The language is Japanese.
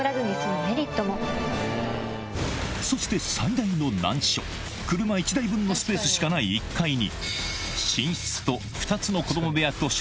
そして最大の難所車１台分のスペースしかないですよね。